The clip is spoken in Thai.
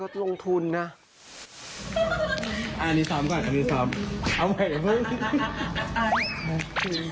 ปลอดภัยไม่จัดจอง